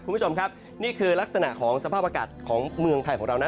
คุณผู้ชมครับนี่คือลักษณะของสภาพอากาศของเมืองไทยของเรานะ